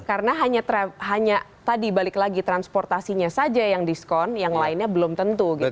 karena hanya tadi balik lagi transportasinya saja yang diskon yang lainnya belum tentu gitu kan